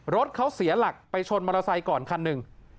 รถเขาเสียหลักไปชนมอเตอร์ไซค์ก่อนคันหนึ่ง